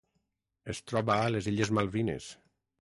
Es troba a les illes Malvines.